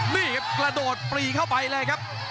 นี่ครับกระโดดปรีเข้าไปเลยครับ